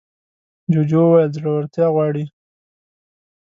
جوجو وویل زړورتيا غواړي.